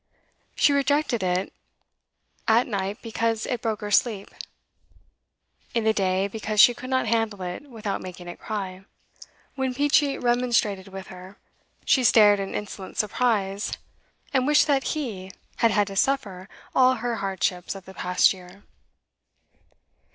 She rejected it at night because it broke her sleep; in the day, because she could not handle it without making it cry. When Peachey remonstrated with her, she stared in insolent surprise, and wished that he had had to suffer all her hardships of the past year.